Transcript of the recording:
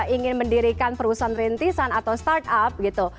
ingin mendirikan perusahaan rintisan atau start up gitu